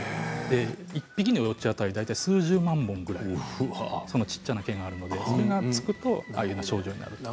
１匹の幼虫当たり数十万本ぐらいその小さな毛があるのでそれがつくとああいう症状になります。